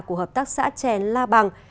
của hợp tác xã trèn la bằng